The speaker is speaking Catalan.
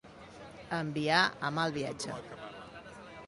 Enviar a mal viatge.